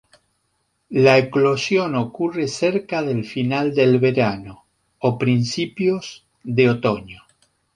La eclosión ocurre cerca del final del verano o principios de otoño.